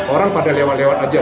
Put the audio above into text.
orang pada lewat lewat aja